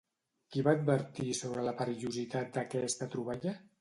Qui va advertir sobre la perillositat d'aquesta troballa?